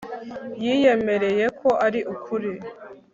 yiyemereye ko ari ukuri